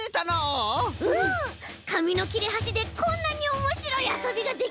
かみのきれはしでこんなにおもしろいあそびができるなんて！